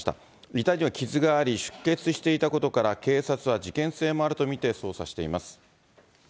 遺体には傷があり、出血していたことから、警察は事件性もあると見て捜査しています。